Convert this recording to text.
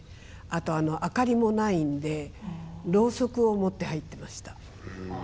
あと明かりもないんでろうそくを持って入ってました。